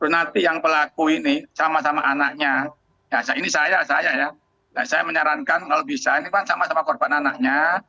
nanti yang pelaku ini sama sama anaknya ini saya saya ya saya menyarankan kalau bisa ini kan sama sama korban anaknya